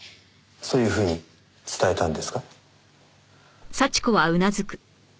そういうふうに伝えたんですか？